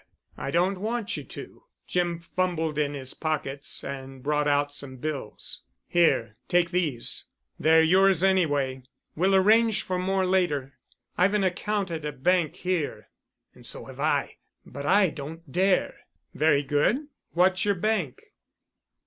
"I don't want you to," Jim fumbled in his pockets and brought out some bills. "Here—take these. They're yours anyway. We'll arrange for more later. I've an account at a bank here——" "And so have I—but I don't dare——" "Very good. What's your bank?"